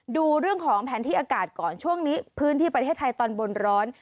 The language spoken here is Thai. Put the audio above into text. ดูเรื่องของแผนที่อากาศก่อนช่วงนี้พื้นที่ประเทศไทยตอนบนร้อน